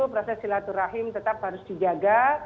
proses silaturahim tetap harus dijaga